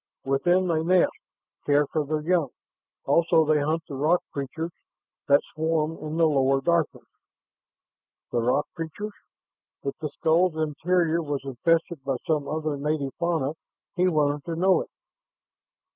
"Within they nest, care for their young. Also they hunt the rock creatures that swarm in the lower darkness." "The rock creatures?" If the skull's interior was infested by some other native fauna, he wanted to know it.